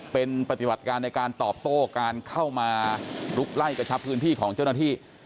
เป็นปฏิบัติการในการตอบโต้การเข้ามาลุกไล่กระชับพื้นที่ของเจ้าหน้าที่